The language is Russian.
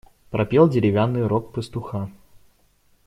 Пропел деревянный рог пастуха.